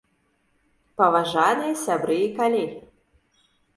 Паважаны сябры і калегі!